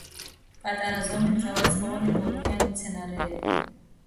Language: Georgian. პატარა ზომის მრავალწლოვანი ბოლქვიანი მცენარეებია.